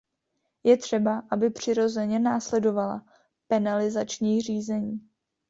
Je třeba, aby přirozeně následovala penalizační řízení.